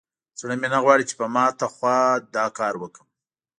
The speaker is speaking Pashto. زړه مې نه غواړي چې په ماته خوا دا کار وکړم.